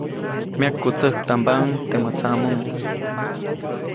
Myakwätsäktambaʼuŋ temäʼ tsaʼmomo.